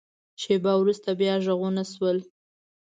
شیبه وروسته، بیا غږونه شول.